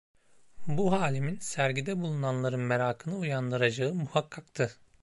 Bu halimin sergide bulunanların merakını uyandıracağı muhakkaktı.